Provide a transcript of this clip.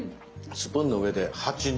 スプーンの上で８：２。